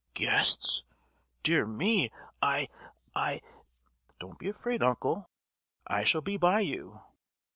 "Guests? dear me! I—I——" "Don't be afraid, uncle; I shall be by you!"